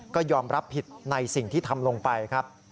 ก็ยอมรับผิดในสิ่งที่ทำลงไปครับ